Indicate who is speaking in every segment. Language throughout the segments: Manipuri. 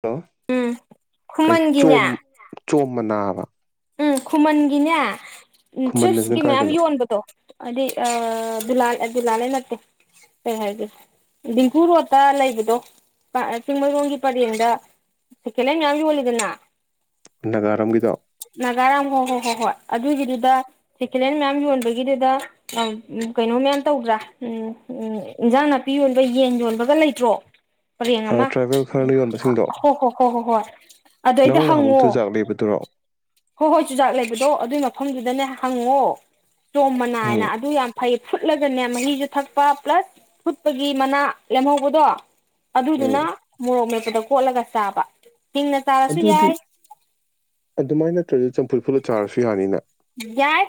Speaker 1: ꯍꯂꯣ
Speaker 2: ꯎꯝ
Speaker 1: ꯀꯩ
Speaker 2: ꯈꯨꯃꯟꯒꯤꯅꯦ
Speaker 1: ꯆꯣꯝ [unintelligible] ꯆꯣꯝ ꯃꯅꯥꯕ
Speaker 2: ꯎꯝ ꯈꯨꯃꯟꯒꯤꯅꯦ
Speaker 1: ꯈꯨꯃꯟꯅꯁꯤꯅ
Speaker 2: ꯇ꯭ꯔꯤꯞꯁꯀꯤ ꯃꯌꯥꯝ
Speaker 1: ꯀꯥꯏꯗꯅꯣ
Speaker 2: ꯌꯣꯟꯕꯗꯣ ꯑꯗꯤ ꯑꯥ ꯗꯨꯜꯂꯟ ꯑꯥ ꯗꯨꯜꯂꯂꯦꯟ ꯅꯠꯇꯦ ꯀꯩ ꯍꯥꯏꯗꯣꯏ ꯗꯤꯡꯀꯨ ꯔꯣꯗꯠꯇ ꯂꯩꯕꯗꯣ ꯑꯥ ꯑꯥ ꯆꯤꯡꯃꯩꯔꯣꯡꯒꯤ ꯄꯥꯔꯦꯡꯗ ꯁꯦꯀꯦꯂꯦꯟ ꯃꯌꯥꯝ ꯌꯣꯟꯂꯤꯗꯅꯥ?
Speaker 1: ꯅꯥꯒꯥꯔꯝꯒꯤꯗꯣ
Speaker 2: ꯅꯥꯒꯥꯔꯥꯝ ꯍꯣ ꯍꯣꯏ ꯍꯣ ꯍꯣꯏ ꯑꯗꯨꯒꯤꯗꯨꯗꯥ ꯁꯦꯀꯦꯂꯦꯟ ꯃꯌꯥꯝ ꯌꯣꯟꯕꯒꯤꯗꯨꯗꯥ ꯀꯩꯅꯣ ꯃꯌꯥꯝ ꯇꯧꯗ꯭ꯔꯥ ꯎꯝ ꯎꯝ ꯏꯟꯖꯥꯡ ꯅꯥꯄꯤ ꯌꯣꯟꯕ ꯌꯦꯟ ꯌꯣꯟꯕꯒꯥ ꯂꯩꯇ꯭ꯔꯣ
Speaker 1: [inaudible]
Speaker 2: ꯄꯔꯦꯡ ꯑꯃꯥ
Speaker 1: ꯇ꯭ꯔꯥꯏꯕꯦꯜ ꯈꯔꯅ ꯌꯣꯟꯕꯁꯤꯡꯗꯣ
Speaker 2: ꯍꯣ ꯍꯣ ꯍꯣ ꯍꯣꯏ ꯑꯗꯩꯗꯥ
Speaker 1: ꯅꯪ ꯅꯍꯥꯟꯃꯨꯛ
Speaker 2: ꯍꯪꯉꯣ
Speaker 1: ꯆꯨꯖꯥꯛ ꯂꯩꯕꯗꯨꯔꯣ
Speaker 2: ꯍꯣꯏ ꯍꯣꯏ ꯆꯨꯖꯥꯛ ꯂꯩꯕꯗꯣ ꯑꯗꯨꯏ ꯃꯐꯝꯗꯨꯗꯥꯅꯦ ꯍꯪꯉꯣ ꯆꯣꯝ ꯃꯅꯥꯅ
Speaker 1: ꯎꯝ
Speaker 2: ꯑꯗꯨ ꯌꯥꯝ ꯐꯩ ꯐꯨꯠꯂꯒꯅꯦ ꯃꯍꯤꯁꯨ ꯊꯛꯄ ꯄ꯭ꯂꯁ ꯐꯨꯠꯄꯒꯤ ꯃꯅꯥ ꯂꯦꯝꯍꯧꯕꯗꯣ ꯑꯗꯨꯗꯨꯅ
Speaker 1: ꯎꯝ
Speaker 2: ꯃꯣꯔꯣꯛ ꯃꯦꯠꯄꯗꯥ ꯀꯣꯠꯂꯒ ꯆꯥꯕ ꯍꯤꯡꯅ ꯆꯥꯔꯁꯨ
Speaker 1: ꯑꯗꯨꯗꯤ
Speaker 2: ꯌꯥꯏ
Speaker 1: ꯑꯗꯨꯃꯥꯏꯅ ꯅꯠꯇ꯭ꯔꯁꯨ ꯆꯝꯐꯨꯠ ꯐꯨꯠꯂꯥ ꯆꯥꯔꯁꯨ ꯌꯥꯅꯤꯅꯦ
Speaker 2: ꯌꯥꯏ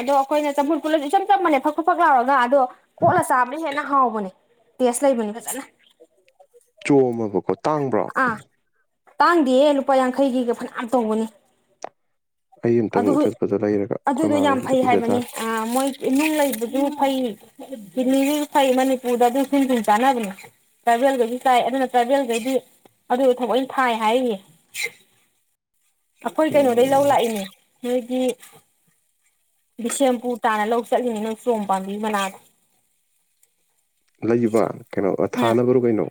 Speaker 2: ꯑꯗꯣ ꯑꯩꯈꯣꯏꯅ ꯆꯝꯐꯨꯠ ꯐꯨꯠꯂꯥꯗꯤ ꯏꯆꯝ ꯆꯝꯝꯕꯅꯦ ꯐꯛ ꯐꯛ ꯐꯛ ꯂꯥꯎꯔꯒꯥ ꯑꯗꯣ ꯀꯣꯠꯂꯥ ꯆꯥꯕꯅ ꯍꯦꯟꯅ ꯍꯥꯎꯕꯅꯦ ꯇꯦꯁ ꯂꯩꯕꯅꯦ ꯐꯖꯅꯥ
Speaker 1: ꯆꯣꯝꯑꯥꯕꯀꯣ ꯇꯥꯡꯕ꯭ꯔꯣ
Speaker 2: ꯑꯥ ꯇꯥꯡꯗꯦꯌꯦ ꯂꯨꯄꯥ ꯌꯥꯡꯈꯩꯒꯤꯒꯥ ꯐꯅꯌꯥꯝ ꯇꯧꯕꯅꯤ
Speaker 1: ꯑꯩ ꯑꯃꯇꯪ
Speaker 2: ꯑꯗꯨ
Speaker 1: ꯆꯠꯄꯗ ꯂꯩꯔꯒ
Speaker 2: ꯑꯗꯨꯗꯣ
Speaker 1: ꯑꯩꯈꯣꯏꯃꯥ
Speaker 2: ꯌꯥꯝ
Speaker 1: ꯈꯤꯇꯥ
Speaker 2: ꯐꯩ
Speaker 1: ꯄꯤꯖꯥ
Speaker 2: ꯍꯥꯏꯕꯅꯤ
Speaker 1: ꯇꯥꯔꯦ
Speaker 2: ꯑꯥ ꯃꯣꯏ ꯅꯨꯡ ꯂꯩꯕꯗꯨ ꯐꯩ ꯀꯤꯠꯅꯤꯒꯤꯁꯨ ꯐꯩ ꯃꯅꯤꯄꯨꯔꯗ ꯑꯗꯨ ꯁꯤꯟꯊꯨꯡ ꯆꯥꯅꯕꯅꯦ ꯇ꯭ꯔꯥꯏꯕꯦꯜꯒꯩꯁꯨ ꯆꯥꯏ ꯑꯗꯨꯅ ꯇ꯭ꯔꯥꯏꯕꯦꯜ ꯒꯩꯗꯤ ꯑꯗꯨ ꯊꯥꯑꯣꯏ ꯊꯥꯏ ꯍꯥꯏꯔꯤꯌꯦ ꯑꯈꯣꯏ ꯀꯩꯅꯣꯗꯩ ꯂꯧ
Speaker 1: ꯎꯝ
Speaker 2: ꯂꯥꯛꯏꯅꯦ ꯅꯣꯏꯒꯤ ꯕꯤꯁꯦꯝꯄꯨꯔ ꯇꯥꯟꯅ ꯂꯧ ꯆꯠꯂꯤꯅꯦ ꯅꯪ ꯆꯣꯝ ꯄꯥꯝꯕꯤ ꯃꯅꯥꯗꯣ
Speaker 1: ꯂꯩꯕꯥ ꯀꯩꯅꯣ
Speaker 2: ꯎꯝ
Speaker 1: ꯊꯥꯅꯕꯔꯣ ꯀꯩꯅꯣ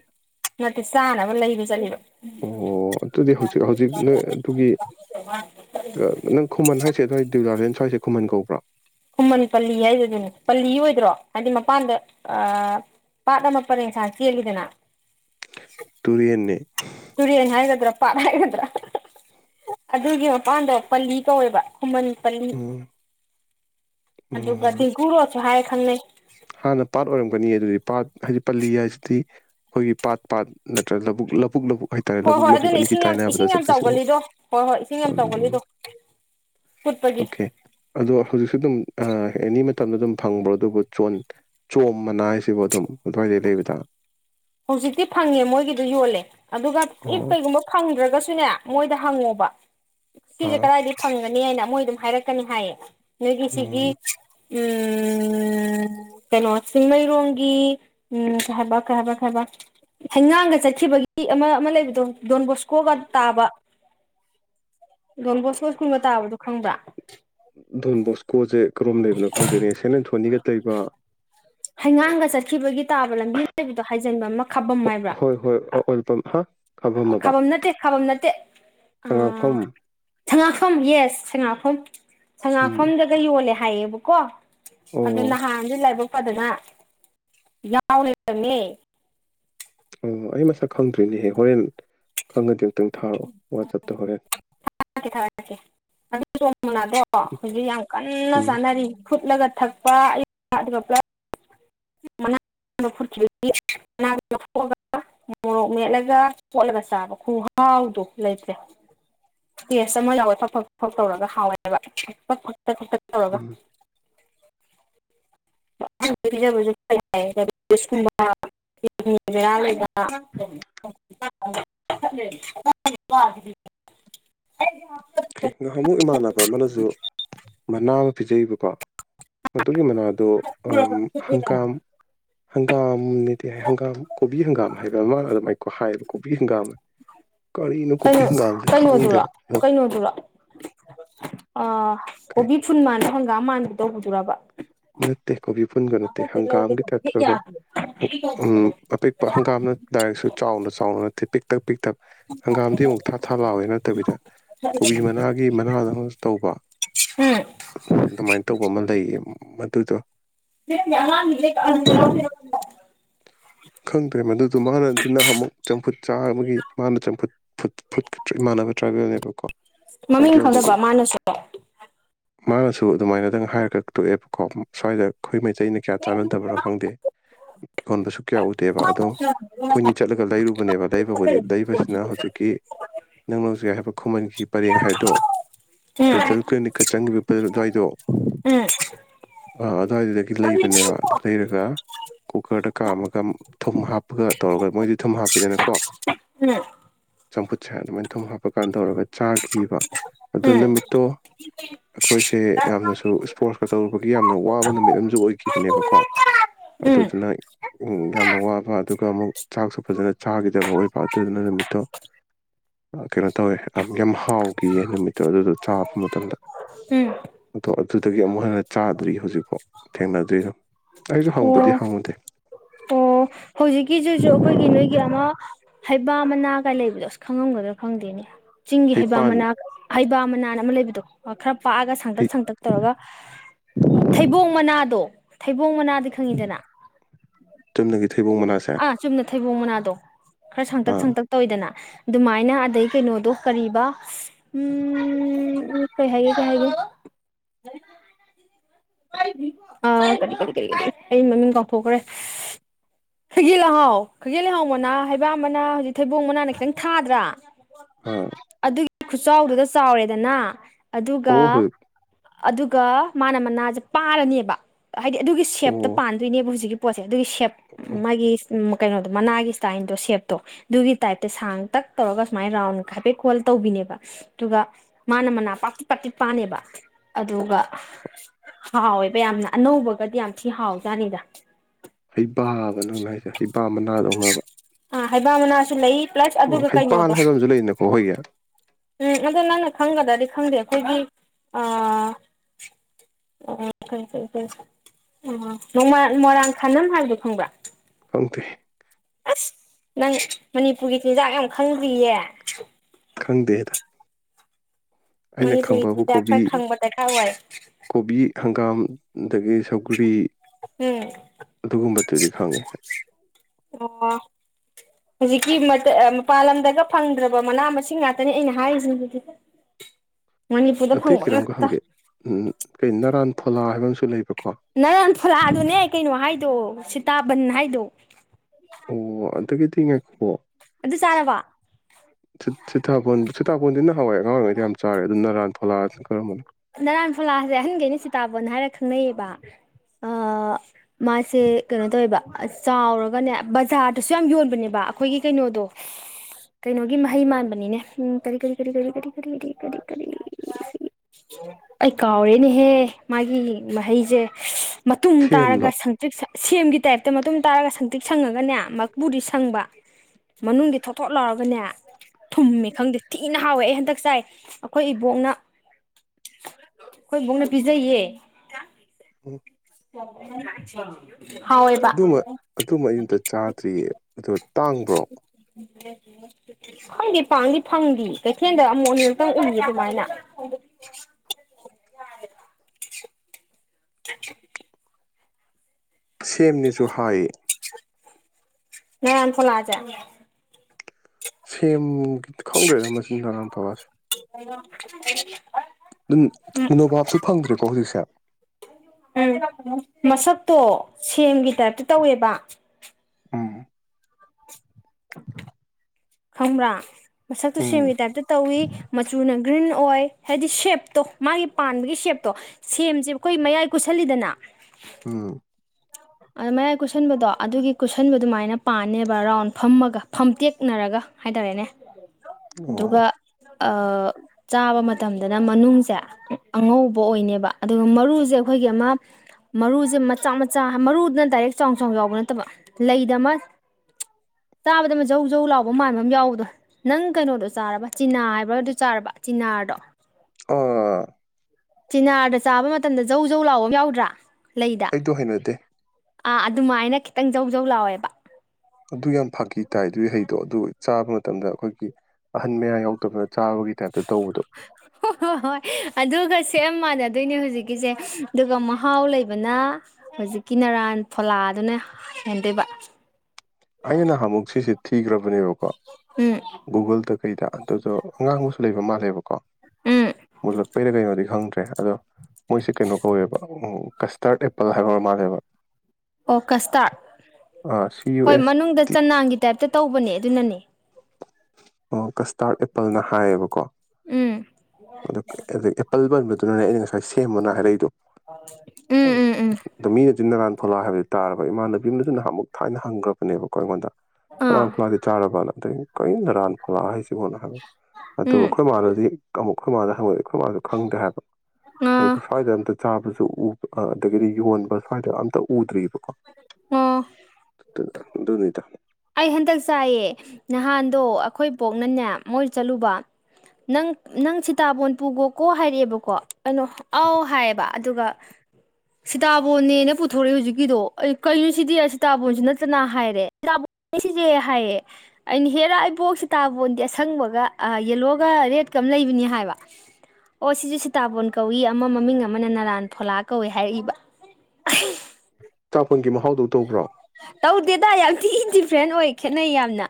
Speaker 2: ꯅꯠꯇꯦ ꯆꯥꯅꯕ ꯂꯩꯕ ꯆꯠꯂꯤꯕ
Speaker 1: ꯑꯣ ꯑꯗꯨꯗꯤ ꯍꯧꯖꯤꯛ ꯍꯧꯖꯤꯛ ꯅꯣꯏ ꯑꯗꯨꯒꯤ ꯅꯪ ꯈꯨꯃꯟ ꯍꯥꯏꯁꯦ ꯑꯗꯨꯋꯥꯏ ꯗꯨꯂꯥꯂꯦꯟ ꯁꯋꯥꯏꯁꯦ ꯈꯨꯃꯟ ꯀꯧꯕꯔꯣ
Speaker 2: ꯈꯨꯃꯟ ꯄꯜꯂꯤ ꯍꯥꯏꯖꯦ ꯑꯗꯨꯅꯦ ꯄꯜꯂꯤ ꯑꯣꯏꯗ꯭ꯔꯣ ꯍꯥꯏꯗꯤ ꯃꯄꯥꯟꯗ ꯑꯥ ꯄꯥꯠ ꯑꯃꯥ ꯄꯔꯦꯡ ꯁꯥꯥꯟꯅꯥ ꯆꯦꯜꯂꯤꯗꯅ
Speaker 1: ꯇꯨꯔꯦꯟ ꯅꯦ
Speaker 2: ꯇꯨꯔꯦꯟ ꯍꯥꯏꯒꯗ꯭ꯔꯥ ꯄꯥꯠ ꯍꯥꯏꯒꯗ꯭ꯔꯥ ꯑꯗꯨꯒꯤ ꯃꯄꯥꯟꯗꯣ ꯄꯜꯂꯤ ꯀꯧꯋꯦꯕ ꯈꯨꯃꯟ ꯄꯜꯂꯤ
Speaker 1: ꯎꯝ
Speaker 2: ꯑꯗꯨꯒꯥ
Speaker 1: ꯎꯝ
Speaker 2: ꯗꯤꯡꯀꯨ ꯔꯣꯠꯁꯨ ꯍꯥꯏ ꯈꯪꯅꯩ
Speaker 1: ꯍꯥꯟꯅ ꯄꯥꯠ ꯑꯣꯏꯔꯝꯒꯅꯤꯌꯦ ꯑꯗꯨꯗꯤ ꯄꯥꯠ ꯍꯥꯏꯗꯤ ꯄꯥꯜꯂꯤ ꯍꯥꯏꯁꯤꯗꯤ ꯑꯩꯈꯣꯏꯒꯤ ꯄꯥꯠ ꯄꯥꯠ ꯅꯠꯇ꯭ꯔꯒ ꯂꯧꯕꯛ ꯂꯧꯕꯨꯛ ꯂꯧꯕꯨꯛ ꯍꯥꯏ
Speaker 2: ꯍꯣꯏ ꯍꯣꯏ ꯑꯗꯨꯅꯦ ꯏꯁꯤꯡ ꯌꯥꯝ ꯏꯁꯤꯡ ꯌꯥꯝ ꯆꯥꯎꯒꯜꯂꯤꯗꯣ ꯍꯣꯏ ꯍꯣꯏ ꯏꯁꯤꯡ ꯌꯥꯝ
Speaker 1: ꯎꯝ
Speaker 2: ꯆꯥꯎꯒꯜꯂꯤꯗꯣ ꯀꯨꯠꯄꯒꯤ
Speaker 1: ꯑꯣꯀꯦ ꯑꯗꯣ ꯍꯧꯖꯤꯛꯁꯨ ꯑꯗꯨꯝ ꯑꯦꯅꯤ ꯃꯇꯝꯗꯥ ꯑꯗꯨꯝ ꯐꯪꯕ꯭ꯔꯣ ꯑꯗꯨꯕꯨ ꯆꯣꯟ ꯆꯣꯝ ꯃꯅꯥ ꯍꯥꯏꯁꯤꯕꯨ ꯑꯗꯨꯝ ꯑꯗꯨꯋꯥꯏꯗꯩ ꯂꯩꯕꯗꯥ
Speaker 2: ꯍꯧꯖꯤꯛꯇꯤ ꯐꯪꯉꯦ ꯃꯣꯏꯒꯤꯗꯨ ꯌꯣꯜꯂꯦ ꯑꯗꯨꯒ ꯏꯐ
Speaker 1: ꯑꯣ
Speaker 2: ꯀꯩꯒꯨꯝꯕ ꯐꯪꯗ꯭ꯔꯒꯁꯨꯅꯦ ꯃꯣꯏꯗꯥ ꯍꯪꯉꯣꯕ ꯁꯤꯁꯦ
Speaker 1: ꯑꯥ
Speaker 2: ꯀꯥꯏꯗꯩ ꯐꯪꯒꯅꯤ ꯍꯥꯏꯅ ꯃꯣꯏ ꯑꯗꯨꯝ ꯍꯥꯏꯔꯛꯀꯅꯤ ꯍꯥꯏꯌꯦ ꯅꯣꯏꯒꯤ ꯁꯤꯒꯤ
Speaker 1: ꯎꯝ
Speaker 2: ꯎꯝ ꯀꯩꯅꯣ ꯆꯤꯡꯃꯩꯔꯣꯡꯒꯤ ꯎꯝ ꯀꯩ ꯍꯥꯏꯕ ꯀꯩ ꯍꯥꯏꯕ ꯍꯥꯏꯕ ꯍꯩꯉꯥꯡꯒꯥ ꯆꯠꯈꯤꯕꯒꯤ ꯑꯃꯥ ꯑꯃꯥ ꯂꯩꯕꯗꯣ ꯗꯣꯟꯕꯣꯁꯀꯣꯒꯥ ꯇꯥꯕ
Speaker 1: [inaudible]
Speaker 2: ꯗꯣꯟꯕꯣꯁꯀꯣ ꯁꯀꯨꯟꯒꯥ ꯇꯥꯕꯗꯣ ꯈꯪꯕ꯭ꯔꯥ
Speaker 1: ꯗꯣꯟꯕꯣꯁꯀꯣꯖꯦ ꯀꯔꯣꯝ ꯂꯩꯕꯅꯣ ꯈꯪꯗꯦꯅꯦ ꯁꯦꯟ ꯑꯦꯟꯊꯣꯅꯤꯒꯥ ꯂꯩꯥꯕꯥ
Speaker 2: ꯍꯩꯉꯥꯡꯒꯥ ꯆꯠꯈꯤꯕꯒꯤ ꯇꯥꯕ ꯂꯝꯕꯤ ꯑꯃꯥ ꯂꯩꯕꯗꯣ ꯍꯥꯏꯖꯟꯕꯝ ꯑꯃ ꯈꯥꯕꯝ
Speaker 1: ꯍꯣ
Speaker 2: ꯍꯥꯏꯕ꯭ꯔꯥ
Speaker 1: ꯍꯣꯏ ꯍꯣꯏ ꯑꯣꯏꯜꯄꯝ ꯍꯥ ꯈꯥꯕꯝꯃꯕ
Speaker 2: ꯈꯥꯕꯝ ꯅꯠꯇꯦ ꯈꯥꯕꯝ ꯅꯠꯇꯦ ꯎꯝ
Speaker 1: ꯁꯉꯥꯛꯐꯝ
Speaker 2: ꯁꯉꯥꯛꯐꯝ ꯌꯦꯁ ꯁꯉꯥꯛꯐꯝ
Speaker 1: ꯎꯝ
Speaker 2: ꯁꯉꯥꯛꯐꯝꯗꯒꯥ ꯌꯣꯜꯂꯦ ꯍꯥꯏꯌꯦꯕꯀꯣ
Speaker 1: ꯑꯣ
Speaker 2: ꯑꯗꯣ ꯅꯍꯥꯟꯖꯦ ꯂꯥꯏꯕꯛ ꯐꯥꯗꯅ ꯌꯥꯎ ꯂꯩꯔꯝꯃꯦ
Speaker 1: ꯑꯣ ꯑꯩ ꯃꯁꯛ ꯈꯪꯗꯔ꯭ꯦꯅꯦꯍꯦ ꯍꯣꯔꯦꯟ ꯈꯪꯉꯥꯗꯤ ꯑꯃꯨꯛꯇꯪ ꯊꯥꯔꯑꯣ ꯋꯥꯆꯞꯇꯥ ꯍꯣꯔꯦꯟ
Speaker 2: ꯊꯥꯔꯛꯀꯦ ꯊꯥꯔꯛꯀꯦ ꯑꯗꯨ ꯆꯣꯝ ꯃꯅꯥꯗꯦ ꯀꯣ ꯍꯧꯖꯤꯛ ꯌꯥꯝ ꯀꯟꯅ
Speaker 1: ꯎꯝ
Speaker 2: ꯆꯥꯅꯔꯤ ꯐꯨꯠꯂꯒ ꯊꯛꯄ ꯑꯌꯨꯛꯇ ꯑꯗꯨꯒ ꯄꯨꯂꯞ [unintelligible] ꯃꯣꯔꯣꯛ ꯃꯦꯠꯂꯒ ꯒꯣꯠꯂꯒ ꯆꯥꯕ ꯈꯣꯡꯍꯥꯎꯗꯣ ꯂꯩꯇ꯭ꯔꯦ ꯇꯦꯁ ꯑꯃ ꯌꯥꯎꯋꯦ ꯊꯛ ꯐ ꯊꯛ ꯇꯧꯔꯒ ꯍꯥꯎꯋꯦꯕ [unintelligible] ꯇꯧꯔꯒ
Speaker 1: ꯎꯝ
Speaker 2: [unintelligible] [inaudible]
Speaker 1: ꯅꯍꯥꯟꯃꯨꯛ ꯏꯃꯥꯟꯅꯕ ꯑꯃꯅꯁꯨ ꯃꯅꯥ ꯑꯃ ꯄꯤꯖꯩꯕꯀꯣ ꯑꯗꯨꯒꯤ ꯃꯅꯥꯗꯣ ꯍꯪꯀꯥꯝ
Speaker 2: ꯀꯩꯅꯣ
Speaker 1: ꯍꯪꯒꯥꯝꯅꯤꯗꯤ ꯍꯥꯢ ꯍꯪꯒꯥꯝ ꯀꯣꯕꯤ ꯍꯪꯒꯥꯝ ꯍꯥꯏꯕ ꯑꯃ ꯑꯗꯨꯃꯥꯏꯀꯣ ꯍꯥꯏꯌꯦꯕ ꯀꯣꯕꯤ ꯍꯪꯒꯥꯝ ꯀꯔꯤꯅꯣ ꯀꯨꯞꯄꯤ ꯍꯪꯒꯝꯗꯤ ꯈꯪꯗꯦꯕ ꯑꯗꯣ
Speaker 2: ꯀꯩꯅꯣꯗꯨꯔ ꯑ
Speaker 1: ꯀꯩ
Speaker 2: ꯀꯣꯕꯤ ꯐꯨꯟ ꯃꯥꯟꯕ ꯍꯪꯒꯥꯝ ꯃꯥꯟꯒꯦ ꯇꯧꯕꯗꯨꯔꯕ
Speaker 1: ꯅꯠꯇꯦ ꯀꯣꯕꯤ ꯐꯨꯟꯒ ꯅꯠꯇꯦ ꯍꯪꯒꯥꯝꯒꯤ ꯇꯥꯏꯞꯇꯧꯔꯒ ꯑꯄꯤꯛꯄ ꯍꯪꯒꯥꯝꯅ ꯗꯥꯏꯔꯛꯁꯨ ꯆꯥꯎꯅ ꯆꯥꯎꯅ [unintelligible] ꯄꯤꯛ ꯄꯤꯛꯇꯛ ꯄꯤꯛꯇꯛ ꯍꯪꯒꯥꯝꯗꯤ ꯑꯃꯨꯛ ꯊꯥ ꯊꯥ ꯂꯥꯎꯋꯦ ꯅꯠꯇꯕꯤꯗ ꯀꯣꯕꯤ ꯃꯅꯥꯒꯤ ꯃꯅꯥꯗꯧꯅꯁꯨ ꯇꯧꯕ
Speaker 2: ꯎꯝ
Speaker 1: ꯑꯗꯨꯃꯥꯏꯅ ꯇꯧꯕ ꯑꯃ ꯂꯩꯌꯦ ꯃꯗꯨꯗꯣ
Speaker 2: [unintelligible]
Speaker 1: ꯈꯪꯗ꯭ꯔꯦ ꯃꯗꯨꯗꯨ ꯃꯥꯅꯗꯤ ꯅꯍꯥꯃꯨꯛ ꯆꯝꯐꯨꯠ ꯆꯥꯕꯒꯤ ꯃꯥꯅ ꯆꯝꯐꯨꯠ ꯐꯨꯠ ꯐꯨꯠ ꯏꯃꯥꯟꯅꯕ ꯇ꯭ꯔꯥꯕꯦꯜꯅꯦꯕꯀꯣ
Speaker 2: ꯃꯃꯤꯡ
Speaker 1: ꯆꯥꯟꯗꯦꯜꯗꯒꯤ
Speaker 2: ꯈꯪꯗꯕ ꯃꯥꯅꯁꯨ
Speaker 1: ꯃꯥꯅꯁꯨ ꯑꯗꯨꯃꯥꯏꯅꯗꯪ ꯍꯥꯏꯔꯒ ꯇꯣꯛꯑꯦꯕꯀꯣ ꯁ꯭ꯋꯥꯏꯗ ꯑꯩꯈꯣꯏ ꯃꯩꯇꯩ ꯃꯩꯇꯩꯅ ꯀꯌꯥ ꯆꯥꯟꯅꯗꯕ꯭ꯔꯥ ꯈꯪꯗꯦ ꯌꯣꯟꯕꯁꯨ ꯀꯌꯥ ꯎ ꯗꯦꯕ
Speaker 2: ꯎꯝ
Speaker 1: ꯑꯗꯣ
Speaker 2: ꯎꯝ
Speaker 1: ꯑꯩꯈꯣꯏꯅꯤ ꯆꯠꯂꯒ ꯂꯩꯔꯨꯕꯅꯦꯕ ꯂꯩꯕꯕꯨꯗꯤ ꯂꯩꯕꯁꯤꯅ ꯍꯧꯖꯤꯛꯀꯤ ꯅꯪꯅ ꯍꯎꯖꯤꯛꯁ ꯍꯥꯏꯕ ꯈꯨꯃꯟꯈꯤ ꯄꯔꯦꯡ ꯍꯥꯏꯗꯣ ꯂꯤꯇꯜ ꯀ꯭ꯂꯤꯅꯤꯛꯀ ꯆꯪꯈꯤꯕ ꯑꯗꯨꯋꯥꯢꯗꯣ
Speaker 2: ꯎꯝ
Speaker 1: ꯑ ꯑꯗꯨꯋꯥꯏꯗꯨꯗꯒꯤ ꯂꯩꯕꯅꯦꯕ ꯑꯗꯨ ꯂꯩꯔꯒ ꯀꯨꯀꯔꯗ ꯀꯥꯝꯃꯒ ꯊꯨꯝ ꯍꯥꯞꯄꯒ ꯇꯧꯔꯒ ꯃꯣꯏꯗꯤ ꯊꯨꯝ ꯍꯥꯞꯄꯤꯗꯅꯀꯣ ꯆꯝꯐꯨꯠꯁꯦ ꯑꯗꯨꯃꯥꯏ ꯊꯨꯝ ꯍꯥꯞꯄꯀꯥꯟ ꯇꯧꯔꯒ ꯆꯥꯈꯤꯕ
Speaker 2: ꯎꯝ
Speaker 1: ꯑꯗꯨ ꯅꯨꯃꯤꯠꯇꯣ ꯑꯩꯈꯣꯏꯁꯦ ꯌꯥꯝꯅꯁꯨ ꯏꯁꯄꯣꯔꯠꯁꯀ ꯇꯧꯔꯨꯕꯒꯤ ꯌꯥꯝꯅ ꯋꯥꯕ ꯅꯨꯃꯤꯠ ꯑꯃꯁꯨ ꯑꯣꯏꯈꯤꯕꯅꯦꯕꯀꯣ
Speaker 2: ꯎꯝ ꯎꯝ
Speaker 1: ꯑꯗꯨꯗꯨꯅ ꯌꯥꯝꯅ ꯋꯥꯕ ꯑꯗꯨꯒ ꯑꯃꯨꯛ ꯆꯥꯛꯁꯨ ꯐꯖꯅ ꯆꯥꯈꯤꯗꯕ ꯑꯣꯏꯕ ꯑꯗꯨꯗꯨꯅ ꯅꯨꯃꯤꯠꯇꯣ ꯀꯩꯅꯣ ꯇꯧꯋꯦ ꯌꯥꯝ ꯍꯥꯎꯈꯤꯌꯦ ꯅꯨꯃꯤꯠꯇꯣ ꯑꯗꯨꯗꯣ ꯆꯕꯥ ꯃꯇꯝꯗ
Speaker 2: ꯎꯝ
Speaker 1: ꯑꯗꯣ ꯑꯗꯨꯗꯒꯤ ꯑꯃꯨꯛ ꯍꯟꯅ ꯆꯥꯗ꯭ꯔꯤ ꯍꯧꯖꯤꯛꯐꯥꯎ ꯊꯦꯡꯅꯗ꯭ꯔꯤ ꯑꯩꯁꯨ ꯍꯪꯕꯨꯗꯤ
Speaker 2: ꯑꯣ
Speaker 1: ꯍꯪꯉꯨꯗꯦ
Speaker 2: ꯑꯣ ꯍꯧꯖꯤꯛꯀꯤꯁꯤꯁꯨ ꯑꯩꯈꯣꯏꯒꯤ ꯅꯣꯏꯒꯤ ꯑꯃ ꯍꯩꯕ ꯃꯅꯥꯒꯥ ꯂꯩꯕꯗꯣ ꯑꯁ ꯈꯪꯉꯝꯒꯗ꯭ꯔꯥ ꯈꯪꯗꯦꯅꯦ ꯆꯤꯡꯒꯤ ꯍꯩꯕ
Speaker 1: ꯍꯩꯄꯥꯟ
Speaker 2: ꯃꯅꯥ ꯍꯩꯕ ꯃꯅꯥ ꯑꯃ ꯂꯩꯕꯗꯣ ꯈꯔ ꯄꯥꯛꯑꯒ ꯁꯥꯡꯇꯛ
Speaker 1: ꯍꯩ
Speaker 2: ꯁꯥꯡꯇꯛ ꯇꯧꯔꯒ ꯊꯩꯕꯣꯡ ꯃꯅꯥꯗꯣ ꯊꯩꯕꯣꯡ ꯃꯅꯥꯗꯤ ꯈꯪꯉꯤꯗꯅ
Speaker 1: ꯆꯨꯝꯅꯒꯤ ꯊꯩꯕꯣꯡ ꯃꯅꯥꯁꯦ
Speaker 2: ꯑꯆꯨꯝꯅꯒꯤ ꯊꯩꯕꯣꯡ ꯃꯅꯥꯗꯣ ꯈꯔ ꯁꯪꯇꯛ
Speaker 1: ꯑꯥ
Speaker 2: ꯁꯥꯡꯇꯛ ꯇꯧꯋꯤꯗꯅ ꯑꯗꯨꯃꯥꯏꯅ ꯑꯗꯩ ꯀꯩꯅꯣꯗꯣ ꯀꯔꯤꯕ ꯑꯝ ꯀꯩ ꯍꯥꯏꯒꯦ ꯀꯩ ꯍꯥꯏꯒꯦ ꯑꯥ ꯀꯔꯤ ꯀꯔꯤ ꯀꯔꯤ ꯑꯩ ꯃꯃꯤꯡ ꯀꯥꯎꯊꯣꯛꯈ꯭ꯔꯦ
Speaker 1: [inaudible]
Speaker 2: ꯈꯥꯒꯤ ꯂꯩꯍꯥꯎ ꯈꯥꯒꯤ ꯂꯩꯍꯥꯎ ꯃꯅꯥ ꯍꯩꯕꯥ ꯃꯅꯥ ꯊꯩꯕꯣꯡ ꯃꯅꯥꯅ ꯈꯤꯇꯪ ꯊꯥꯗ꯭ꯔꯥ
Speaker 1: ꯑꯥ
Speaker 2: ꯑꯗꯨꯒꯤ ꯈꯨꯆꯥꯎꯗꯨꯗ ꯆꯥꯎꯔꯦꯗꯅ ꯑꯗꯨꯒ
Speaker 1: ꯑꯣ ꯍꯣꯏ
Speaker 2: ꯑꯗꯨꯒ ꯃꯥꯅ ꯃꯅꯥꯁꯦ ꯄꯥꯔꯅꯦꯕ ꯍꯥꯏꯗꯤ ꯑꯗꯨꯒꯤ ꯁꯦꯞꯇ
Speaker 1: ꯑꯣ
Speaker 2: ꯄꯥꯟꯗꯣꯏꯅꯦꯕ ꯍꯧꯖꯤꯛꯀꯤ ꯄꯣꯠꯁꯦ ꯑꯗꯨꯒꯤ ꯁꯦꯞ
Speaker 1: ꯑꯣ
Speaker 2: ꯃꯥꯒꯤ ꯀꯩꯅꯣꯗꯣ ꯃꯅꯥꯒꯤ ꯁ꯭ꯇꯥꯏꯜꯗꯣ ꯁꯦꯞꯇꯣ ꯑꯗꯨꯒꯤ ꯇꯥꯏꯞꯇ ꯁꯥꯡ ꯇꯛ ꯇꯧꯔꯒ ꯁꯨꯃꯥꯏꯅ ꯔꯥꯎꯟ ꯍꯥꯏꯐꯦꯠ ꯈꯣꯜ ꯇꯧꯕꯤꯅꯦꯕ ꯑꯗꯨꯒ ꯃꯥꯅ ꯄꯥꯛꯇꯥꯛ ꯄꯥꯅꯦꯕ ꯑꯗꯨꯒ ꯍꯥꯎꯋꯦꯕ ꯌꯥꯝꯅ ꯑꯅꯧꯕꯒꯗꯤ ꯌꯥꯝ ꯊꯤ ꯍꯥꯎꯖꯥꯠꯅꯤꯗ
Speaker 1: ꯍꯩꯕꯥꯕ ꯅꯪꯅ ꯍꯥꯏꯁꯦ ꯍꯩꯕ ꯃꯅꯥꯗ ꯉꯧꯅꯕ
Speaker 2: ꯑꯥ ꯍꯩꯄ ꯃꯅꯥꯁꯨ ꯂꯩ ꯄ꯭ꯂꯁ
Speaker 1: ꯎꯝ
Speaker 2: ꯑꯗꯨꯒ
Speaker 1: ꯍꯩꯄꯥꯟ
Speaker 2: ꯀꯩꯅꯣꯗꯣ
Speaker 1: ꯍꯥꯏꯕ ꯑꯃꯁꯨ ꯂꯩꯗꯅꯀꯣ ꯑꯩꯈꯣꯏꯒꯤ
Speaker 2: ꯎꯝ ꯑꯗꯣ ꯅꯪꯅ ꯈꯪꯒꯗ꯭ꯔꯗꯤ ꯈꯪꯗꯦ ꯑꯩꯈꯣꯏꯒꯤ ꯑ ꯑꯣ ꯀꯔꯤ ꯀꯔꯤ ꯑꯣ ꯅꯣꯡꯃ ꯃꯣꯏꯔꯥꯡ ꯈꯥꯅꯝ ꯍꯥꯏꯕꯗꯣ ꯈꯪꯕ꯭ꯔꯥ
Speaker 1: ꯈꯪꯗꯦ
Speaker 2: ꯑꯁ ꯅꯪ ꯃꯅꯤꯄꯨꯔꯒꯤ ꯆꯤꯟꯖꯥꯛ ꯌꯥꯝ ꯈꯪꯗ꯭ꯔꯤꯌꯦ
Speaker 1: ꯈꯪꯗꯦꯗ ꯑꯩꯅ
Speaker 2: ꯃꯅꯤꯄꯨꯒꯤ
Speaker 1: ꯈꯪꯕꯕꯨ
Speaker 2: ꯆꯤꯟꯖꯥꯛ
Speaker 1: ꯀꯣꯕꯤ
Speaker 2: ꯈꯔ ꯈꯪꯕ ꯗꯔꯀꯥꯔ ꯑꯣꯏ
Speaker 1: ꯀꯣꯕꯤ ꯍꯪꯒꯥꯝ ꯑꯗꯒꯤ ꯁꯧ ꯒꯨꯔꯤ
Speaker 2: ꯎꯝ
Speaker 1: ꯑꯗꯨꯒꯨꯝꯕꯗꯨꯗꯤ ꯈꯪꯉꯦ
Speaker 2: ꯑꯃ ꯍꯧꯖꯤꯛꯀꯤ ꯃꯄꯥꯟ ꯂꯝꯗꯒ ꯐꯪꯗ꯭ꯔꯕ ꯃꯅꯥ ꯃꯁꯤꯡ ꯉꯥꯛꯇꯅꯤ ꯑꯩꯅ ꯍꯥꯏꯔꯤꯁꯤꯡꯁꯤꯗꯤ
Speaker 1: [inaudible]
Speaker 2: ꯃꯅꯤꯄꯨꯔꯗ
Speaker 1: ꯑꯇꯩ
Speaker 2: ꯐꯪꯕ
Speaker 1: ꯀꯩꯅꯣꯝꯀ
Speaker 2: ꯉꯥꯛꯇ
Speaker 1: ꯍꯪꯒꯦ ꯀꯩ ꯅꯔꯥꯟ ꯐꯣꯂꯥ ꯍꯥꯏꯕ ꯑꯃꯁꯨ ꯂꯩꯕꯀꯣ
Speaker 2: ꯅꯔꯥꯟ ꯐꯣꯂꯥꯗꯨꯅꯦ ꯀꯩꯅꯣ ꯍꯥꯏꯗꯣ ꯁꯤꯇꯥꯕꯟ ꯍꯥꯏꯗꯣ
Speaker 1: ꯑꯣ ꯑꯗꯨꯗꯒꯤꯗꯤ ꯉꯥꯏꯈꯣ
Speaker 2: ꯑꯗꯨ ꯆꯥꯔꯕꯣ
Speaker 1: ꯆꯤꯇꯥꯐꯣꯟ ꯆꯤꯇꯥꯐꯣꯟꯁꯤꯅ ꯅꯍꯥꯟꯋꯥꯏ ꯑꯉꯥꯡ ꯑꯣꯏꯔꯤꯉꯩꯗꯤ ꯌꯥꯝ ꯆꯥꯔꯦ ꯑꯗꯨ ꯅꯔꯥꯟ ꯐꯣꯂꯥꯁꯤꯅ ꯀꯔꯝꯕꯅꯣ
Speaker 2: ꯅꯔꯥꯟ ꯐꯣꯂꯥꯁꯦ ꯑꯍꯟꯈꯩꯅ ꯁꯤꯇꯥꯕꯣꯟ ꯍꯥꯏꯔ ꯈꯪꯅꯩꯌꯦꯕ ꯑꯥ
Speaker 1: [inaudible]
Speaker 2: ꯃꯥꯁꯦ ꯀꯩꯅꯣ ꯇꯧꯋꯦꯕ ꯆꯥꯎꯔꯒꯅꯦ ꯕꯖꯥꯔꯗꯁꯨ ꯌꯥꯝ ꯌꯣꯟꯕꯅꯦꯕ ꯑꯩꯈꯣꯏꯒꯤ ꯀꯩꯅꯣꯗꯣ ꯀꯩꯅꯣꯒꯤ ꯃꯍꯩ ꯃꯥꯟꯕꯅꯤꯅꯦ ꯎ ꯀꯔꯤ ꯀꯔꯤ ꯀꯔꯤ ꯀꯔꯤ ꯀꯔꯤ ꯀꯔꯤ ꯀꯔꯤ ꯀꯔꯤ ꯀꯔꯤ ꯑꯩ ꯀꯥꯎꯔꯦꯅꯦꯍꯦ ꯃꯥꯒꯤ ꯃꯍꯩꯁꯦ ꯃꯇꯨꯝ ꯇꯥꯔꯒ
Speaker 1: ꯁꯦꯝꯂꯣ
Speaker 2: ꯁꯇꯤꯛ ꯁꯦꯝꯒꯤ ꯇꯥꯏꯞꯇ ꯃꯇꯨꯡ ꯇꯥꯔꯒ ꯁꯪꯇꯤꯛ ꯁꯪꯉꯒꯅꯦ ꯃꯀꯨꯗꯤ ꯁꯪꯕ ꯃꯅꯨꯡꯒꯤ ꯊꯣꯠ ꯊꯣꯠ ꯂꯧꯎꯔꯒꯅꯦ ꯊꯨꯝꯃꯦ ꯈꯪꯗꯦ ꯊꯤꯅ ꯍꯥꯎꯋꯦ ꯑꯩ ꯍꯟꯗꯛ ꯆꯥꯏ ꯑꯩꯈꯣꯏ ꯏꯕꯣꯛꯅ ꯑꯩꯈꯣꯏ ꯢꯕꯣꯛꯅ ꯄꯤꯖꯩꯌꯦ
Speaker 1: ꯎꯝ
Speaker 2: ꯆ ꯆ [unintelligible] ꯍꯥꯎꯌꯦ
Speaker 1: ꯑꯗꯨꯃ ꯑꯗꯨꯃ ꯑꯌꯨꯛꯇ ꯆꯥꯗ꯭ꯔꯤꯌꯦ ꯑꯗꯣ ꯇꯥꯡꯕ꯭ꯔꯣ
Speaker 2: ꯎꯝ [unintelligible] ꯈꯪꯗꯦ ꯄꯥꯛꯅꯗꯤ ꯐꯪꯗ ꯀꯩꯊꯦꯜꯗ ꯑꯃꯨꯛ ꯑꯅꯤꯛꯇꯪ ꯎꯨꯏꯌꯦ ꯑꯗꯨꯃꯥꯏꯅ ꯊ [unintelligible]
Speaker 1: ꯁꯦꯝꯅꯤꯁꯨꯨꯍꯥꯏꯌ‌ꯦ
Speaker 2: ꯃꯌꯥꯝ ꯐꫭꯂꯥꯖ‌ꯦ
Speaker 1: ꯁꯦꯝꯒꯤ ꯈꯪꯗ꯭ꯔꯦꯗ ꯃꯆꯤꯟ ꯃꯔꯔꯥ [unintelligible] ꯡ ꯄꯋꯥꯁꯦ
Speaker 2: ꯍꯣ [unintelligible]
Speaker 1: ꯑꯗꯨꯝ ꯅꯣꯕꯥꯥꯞꯁꯨ ꯐꯪꯗ꯭ꯔꯦꯀꯣ ꯍꯧꯖꯤꯛꯁꯦ
Speaker 2: ꯎꯝ ꯃꯁꯛꯇꯣ ꯁꯦꯝꯒꯤ ꯇꯥꯏꯞꯇ ꯇꯧꯋꯦꯕ
Speaker 1: ꯎꯝ
Speaker 2: ꯈꯪꯕ꯭ꯔꯥ ꯃꯁꯛꯇꯨ ꯁꯦꯝꯒꯤ
Speaker 1: ꯎꯝ
Speaker 2: ꯇꯥꯏꯞꯇ ꯇꯧꯋꯤ ꯃꯆꯨꯅ ꯒ꯭ꯔꯤꯟ ꯑꯣꯏ ꯍꯥꯏꯗꯤ ꯁꯦꯞꯇꯣ ꯃꯥꯒꯤ ꯄꯥꯟꯕꯒꯤ ꯁꯦꯞꯇꯣ ꯁꯦꯝꯁꯦ ꯑꯩꯈꯣꯏ ꯃꯌꯥꯏ ꯀꯨꯁꯜꯂꯤꯗꯅ
Speaker 1: ꯎꯝ
Speaker 2: ꯑꯗ ꯃꯌꯥꯏ ꯀꯨꯁꯟꯕꯗꯣ ꯑꯗꯨꯒꯤ ꯀꯨꯁꯟꯕ ꯑꯗꯨꯃꯥꯏꯅ ꯄꯥꯅꯦꯕ ꯔꯥꯎꯟ ꯐꯝꯃꯒ ꯐꯝꯇꯦꯛꯅꯔꯒ ꯍꯥꯏꯇꯥꯔꯦꯅꯦ ꯑꯗꯨꯒ
Speaker 1: ꯑꯣ
Speaker 2: ꯑꯥ ꯆꯥꯕ ꯃꯇꯝꯗꯅ ꯃꯅꯨꯡꯁꯦ ꯑꯉꯧꯕ ꯑꯣꯏꯅꯅꯦꯕ ꯑꯗꯨꯒ ꯃꯔꯨꯁꯦ ꯑꯩꯈꯣꯏꯒꯤ ꯑꯃ ꯃꯔꯨꯁꯦ ꯃꯆꯥ ꯃꯆꯥ ꯃꯔꯨꯗꯨꯅ ꯗꯥꯏꯔꯦꯛ ꯆꯥꯎ ꯆꯥꯎ ꯌꯥꯎꯕ ꯅꯠꯇꯕ ꯂꯩꯗ ꯑꯃ ꯆꯥꯕꯗ ꯑꯃ ꯖꯧꯖꯧ ꯂꯥꯎꯕ ꯃꯥꯟꯕ ꯑꯃ ꯌꯥꯎꯕꯗꯣ ꯅꯪ ꯀꯩꯅꯣꯗꯣ ꯆꯥꯔꯕ ꯆꯤꯅꯥ ꯍꯥꯏꯕ꯭ꯔꯥꯗꯨ ꯆꯥꯔꯕ ꯆꯤꯅꯥꯗꯣ
Speaker 1: ꯑꯥ
Speaker 2: ꯆꯤꯅꯥꯔꯗ ꯆꯥꯕ ꯃꯇꯝꯗ ꯖꯧ ꯖꯧ ꯂꯥꯎꯕ ꯌꯥꯎꯗ꯭ꯔꯥ ꯂꯩꯗ
Speaker 1: ꯑꯩꯗꯣ ꯍꯩꯅꯗꯦ
Speaker 2: ꯑꯥ ꯑꯗꯨꯃꯥꯏꯅ ꯈꯤꯇꯪ ꯖꯧ ꯖꯧ ꯂꯥꯎꯋꯦꯕ
Speaker 1: ꯑꯗꯨ ꯌꯥꯝ ꯐꯥꯈꯤ ꯇꯥꯏ ꯑꯗꯨꯒꯤ ꯍꯩꯗꯣ ꯑꯗꯨ ꯆꯥꯕ ꯃꯇꯝꯗ ꯑꯩꯈꯣꯏꯒꯤ ꯑꯍꯟ ꯃꯌꯥ ꯌꯥꯎꯗꯕꯗ ꯆꯥꯕꯒꯤ ꯇꯥꯏꯞꯇ ꯇꯧꯕꯗꯣ
Speaker 2: ꯍꯣꯏ ꯍꯣꯏ ꯑꯗꯨꯒ ꯁꯦꯝ ꯃꯥꯟꯅꯗꯣꯏꯅꯦ ꯍꯧꯖꯤꯛꯀꯤꯁꯦ ꯑꯗꯨꯒ ꯃꯍꯥꯎ ꯂꯩꯕꯅ ꯍꯧꯖꯤꯛꯀꯤ ꯅꯔꯥꯟ ꯐꯣꯂꯥꯗꯨꯅ ꯍꯦꯟꯗꯣꯏꯕ
Speaker 1: ꯑꯩꯅ ꯅꯍꯥꯟꯃꯨꯛ ꯁꯤꯁꯤ ꯊꯤꯈ꯭ꯔꯕꯅꯦꯕ
Speaker 2: ꯎꯝ
Speaker 1: ꯒꯨꯒꯜꯗ ꯀꯩꯗ ꯑꯗꯨꯗꯣ ꯑꯉꯥꯡꯕꯁꯨ ꯂꯩꯕ ꯃꯥꯜꯂꯦꯕꯀꯣ
Speaker 2: ꯎꯝ
Speaker 1: ꯃꯨꯜꯂꯛꯄꯩꯔꯥ ꯀꯩꯅꯣꯗꯤ ꯈꯪꯗ꯭ꯔꯦ ꯑꯗꯣ ꯃꯣꯏꯁꯦ ꯀꯩꯅꯣ ꯀꯧꯋꯦꯕ ꯑꯪ ꯀꯁꯇꯔꯠ ꯑꯦꯄꯜ ꯍꯥꯏꯕꯔ ꯃꯥꯜꯂꯦꯕ
Speaker 2: ꯑꯣ ꯀꯁꯇꯥꯔꯠ
Speaker 1: ꯁꯤ ꯌꯨ
Speaker 2: ꯍꯣꯏ
Speaker 1: ꯑꯦꯁ
Speaker 2: ꯃꯅꯨꯡꯗ
Speaker 1: ꯇꯤ
Speaker 2: ꯆꯅꯥꯡꯒꯤ ꯇꯥꯏꯞꯇ ꯇꯧꯕꯅꯦ ꯑꯗꯨꯅꯅꯦ
Speaker 1: ꯑꯣ ꯀꯁꯇꯥꯔꯠ ꯑꯦꯄꯜꯅ ꯍꯥꯏꯌꯦꯕꯀꯣ
Speaker 2: ꯎꯝ
Speaker 1: ꯑꯗꯨ ꯑꯦꯄꯜ ꯄꯟꯕꯗꯨꯅꯅꯦ ꯑꯩꯅ ꯉꯁꯥꯏ ꯁꯦꯝꯃꯅ ꯍꯥꯏꯔꯛꯏꯗꯣ
Speaker 2: ꯎꯝ ꯎꯝ ꯎꯝ
Speaker 1: ꯑꯗꯣ ꯃꯤꯅꯁꯨ ꯅꯔꯥꯟ ꯐꯣꯂꯥ ꯍꯥꯏꯕꯗꯨ ꯇꯥꯔꯕ ꯏꯃꯥꯟꯅꯕꯤ ꯑꯃꯅꯁꯨ ꯅ ꯑꯃꯨꯛ ꯊꯥꯏꯅ ꯍꯪꯈ꯭ꯔꯕꯅꯦꯕꯀꯣ ꯑꯩꯉꯣꯟꯗ
Speaker 2: ꯑꯥ
Speaker 1: ꯅꯔꯥꯟ ꯐꫭꯂꯥꯗꯤ ꯆꯥꯔ ꯀꯩꯅ ꯅꯔꯥꯟ ꯐꫭꯂꯥ ꯍꯥꯏꯁꯦ ꯁ ꯍꯥꯏꯕ ꯑꯗꯨꯒ
Speaker 2: ꯎꯝ
Speaker 1: ꯑꯩꯈꯣꯏ ꯃꯥꯜꯗꯗꯤ ꯑꯃꯨꯛ ꯑꯩꯈꯣꯏ [unintelligible] ꯃꯥꯗ ꯑꯈꫭꯏ ꯃꯥꯁꯨ ꯈꯪꯗꯦ ꯍꯥꯏꯕ
Speaker 2: ꯑꯥ
Speaker 1: ꯑꯗꯨꯕꯨ ꯁ꯭ꯋꯥꯏꯗ ꯑꯝꯇ ꯆꯥꯕꯁꯨ ꯎꯕ ꯑꯗꯒꯤꯗꯤ ꯌꯣꯟꯕ ꯁ꯭ꯋꯥꯏꯗ ꯑꯝꯇ ꯎꯗ꯭ꯔꯤꯕꯀꯣ
Speaker 2: ꯑꯣ
Speaker 1: ꯑꯗꯨꯅꯤꯗ
Speaker 2: ꯑꯩ ꯍꯟꯗꯛ ꯆꯥꯏꯌꯦ ꯅꯍꯥꯟꯗꯣ ꯑꯩꯈꯣꯏ ꯕꫭꯛꯅꯅꯦ ꯃꯣꯏ ꯆꯠꯂꯨꯕ ꯅꯪ ꯅꯪ ꯁꯤꯇꯥꯕꯣꯟ ꯄꯨꯈꯣꯀꯣ ꯍꯥꯏꯔꯛꯑꯦꯕꯀꯣ ꯀꯩꯅꯣ ꯑꯥꯎ ꯍꯥꯏꯌꯦꯕ ꯑꯗꯨꯒ ꯁꯤꯗꯥꯕꯣꯟꯅꯦꯅ ꯄꯨꯊꯣꯔꯛꯑꯦ ꯍꯧꯖꯤꯛꯀꯤꯗꯣ ꯀꯩꯅꯣ ꯁꯤꯗꯤ ꯁꯤꯇꯥꯕꯣꯟꯁꯨ ꯅꯠꯇꯅ ꯍꯥꯏꯔꯦ ꯁꯤꯇꯥꯕ ꯁꯤꯗꯤ ꯍꯥꯏꯌꯦ ꯑꯩꯅ ꯍꯦꯔ ꯑꯩꯕꯣꯛꯁꯤ ꯇꯥꯕꯣꯟꯗꯤ ꯑꯁꯪꯕꯒ ꯌꯦꯂꯣꯒ ꯔꯦꯗꯀ ꯑꯃ ꯂꯩꯕꯅꯤ ꯍꯥꯏꯕ ꯑꯣ ꯁꯤꯁꯨ ꯁꯤꯇꯥꯕꯣꯟ ꯀꯧꯏ ꯑꯃ ꯃꯃꯤꯡ ꯑꯃꯅ ꯅꯔꯥꯟ ꯊꯣꯂꯥ ꯀꯧꯏ ꯍꯥꯏꯔꯛꯏꯕ
Speaker 1: ꯆꯥꯛꯐꯝꯒꯤ ꯃꯍꯥꯎꯗꯧ ꯇꯧꯕ꯭ꯔꯣ
Speaker 2: ꯇꯧꯗꯦꯗ ꯌꯥꯝ ꯊꯤ ꯗꯤꯐ꯭ꯔꯦꯟ ꯑꯣꯏ ꯈꯦꯠꯅꯩ ꯌꯥꯝꯅ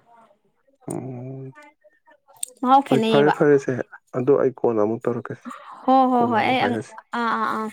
Speaker 1: ꯎꯝ
Speaker 2: ꯃꯍꯥꯎ
Speaker 1: ꯍꯣꯏ ꯐꯔꯦ
Speaker 2: ꯈꯦꯠꯅꯩꯌꯦꯕ
Speaker 1: ꯐꯔꯦꯁꯦ ꯑꯗꯣ ꯑꯩ ꯀꯣꯟꯅ ꯑꯃꯨꯛ ꯇꯧꯔꯛꯀꯦꯁꯦ
Speaker 2: ꯍꯣ ꯍꯣ
Speaker 1: ꯀꯣꯟꯅ
Speaker 2: ꯍꯣꯏ
Speaker 1: ꯑꯃꯨꯛ
Speaker 2: ꯑꯩ
Speaker 1: ꯍꯥꯏꯅꯁꯤ
Speaker 2: ꯑꯥ ꯑꯥ ꯑꯥ